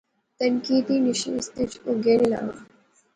تنقیدی نشست وچ او گینے لاغا